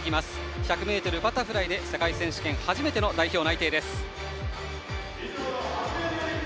１００ｍバタフライで世界選手権初めての代表内定。